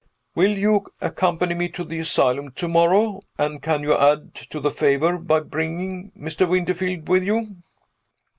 Will you accompany me to the asylum to morrow? And can you add to the favor by bringing Mr. Winterfield with you?"